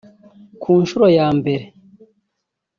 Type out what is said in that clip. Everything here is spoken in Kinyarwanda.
ku nshuro ya mbere